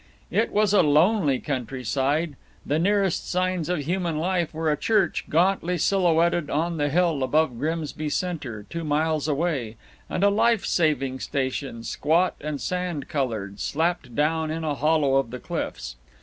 It was a lonely countryside; the nearest signs of human life were a church gauntly silhouetted on the hill above Grimsby Center, two miles away, and a life saving station, squat and sand colored, slapped down in a hollow of the cliffs.